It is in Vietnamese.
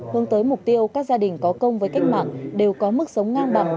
hướng tới mục tiêu các gia đình có công với cách mạng đều có mức sống ngang bằng